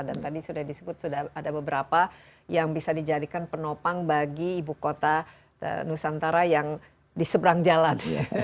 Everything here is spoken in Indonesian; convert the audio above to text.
tadi sudah disebut sudah ada beberapa yang bisa dijadikan penopang bagi ibu kota nusantara yang diseberang jalan